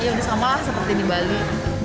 ya udah sama seperti di bali